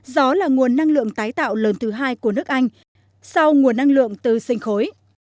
gió là nguồn năng lượng tái tạo lớn thứ hai của nước anh sau nguồn năng lượng từ sinh khối